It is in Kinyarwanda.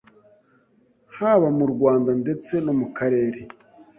haba mu Rwanda ndetse no mu karere